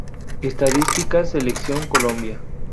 Estadísticas Selección Colombia